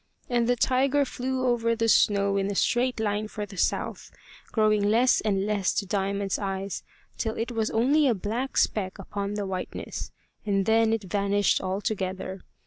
And the tiger flew over the snow in a straight line for the south, growing less and less to Diamond's eyes till it was only a black speck upon the whiteness; and then it vanished altogether.